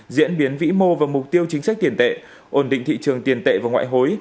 diễn biến vĩ mô và mục tiêu chính sách tiền tệ ổn định thị trường tiền tệ và ngoại hối